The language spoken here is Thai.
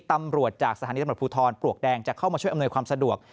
ตำรวจจากสถานีตำรวจภูทรปลวกแดงจะเข้ามาช่วยอำนวยความสะดวก